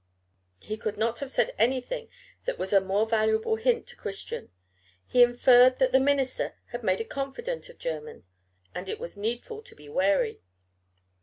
He could not have said anything that was a more valuable hint to Christian. He inferred that the minister had made a confidant of Jermyn, and it was needful to be wary.